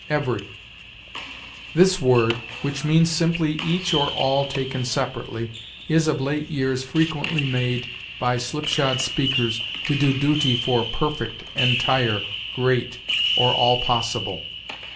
EVERY. This word, which means simply each or all taken separately, is of late years frequently made, by slipshod speakers, to do duty for perfect, entire, great, or all possible.